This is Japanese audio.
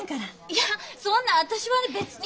いやそんな私は別に。